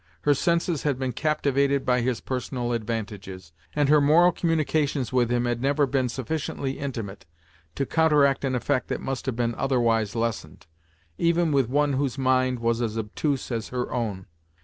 Her senses had been captivated by his personal advantages, and her moral communications with him had never been sufficiently intimate to counteract an effect that must have been otherwise lessened, even with one whose mind was as obtuse as her own.